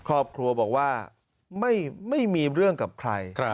ครอบครัวบอกว่าไม่มีเรื่องกับใคร